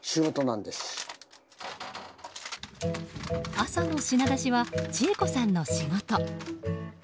朝の品出しは千恵子さんの仕事。